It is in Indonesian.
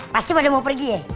pasti pada mau pergi ya